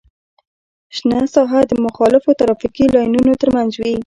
شنه ساحه د مخالفو ترافیکي لاینونو ترمنځ وي